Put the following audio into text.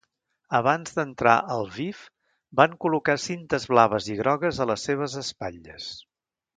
Abans d'entrar a Lviv, van col·locar cintes blaves i grogues a les seves espatlles.